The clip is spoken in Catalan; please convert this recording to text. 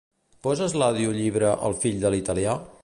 Poses l'audiollibre "El fill de l'italià"?